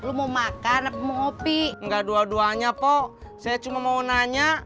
belom ntar sorean dulu tenang aja